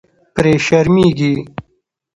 پرې شرمېږي.